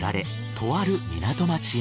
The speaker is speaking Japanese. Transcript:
とある港町へ。